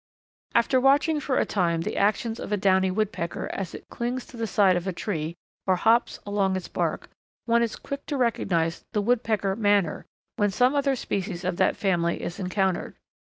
After watching for a time the actions of a Downy Woodpecker as it clings to the side of a tree, or hops along its bark, one is quick to recognize the Woodpecker manner when some other species of that family is encountered.